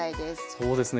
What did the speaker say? そうですね。